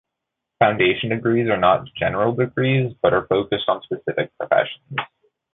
Foundation degrees are not general degrees but are focused on specific professions.